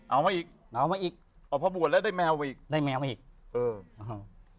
เอามาอีกเอามาอีกอ๋อพอบวชแล้วได้แมวไปอีกได้แมวมาอีกเอออ่า